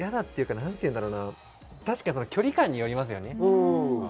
距離感によりますよね。